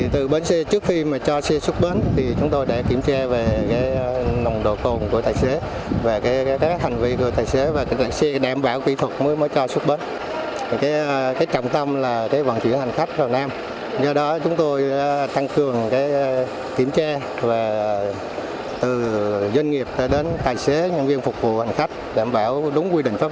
từ bến xe trước khi mà cho xe xuất bến